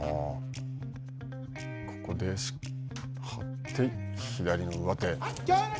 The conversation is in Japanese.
ここで張って、左の上手。